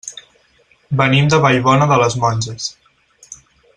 Venim de Vallbona de les Monges.